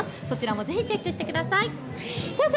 こちらもぜひチェックしてください。